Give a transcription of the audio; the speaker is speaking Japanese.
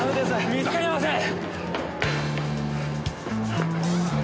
見つかりません！